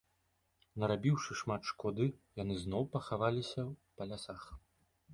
Нарабіўшы шмат шкоды, яны зноў пахаваліся па лясах.